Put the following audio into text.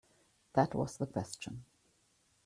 That was the question.